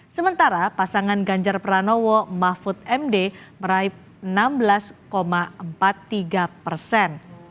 sementara pasangan ganjar pranowo mahfud md meraih enam belas empat puluh tiga persen